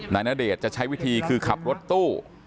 ณเดชน์จะใช้วิธีคือขับรถตู้